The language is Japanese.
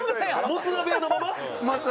もつ鍋屋のまま。